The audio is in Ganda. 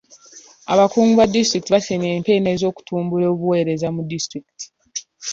Abakungu ba disitulikiti batemye empenda ez'okutumbula obuweereza mu kitundu.